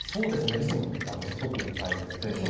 リズムってたぶんすごく大切でその。